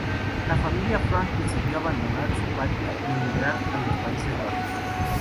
La familia Frank decidió abandonar su patria y emigrar a los Países Bajos.